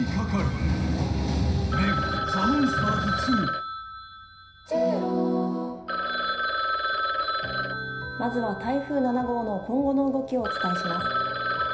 最高の渇きにＤＲＹまずは台風７号の今後の動きをお伝えします。